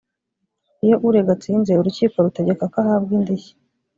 iyo urega atsinze urukiko rutegeka ko ahabwa indishyi